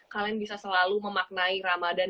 kalian bisa selalu memaknai ramadan